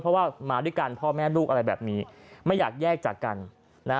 เพราะว่ามาด้วยกันพ่อแม่ลูกอะไรแบบนี้ไม่อยากแยกจากกันนะ